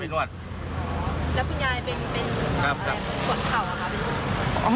อ๋อแล้วคุณยายเป็นคนข่าวหรือเป็นคน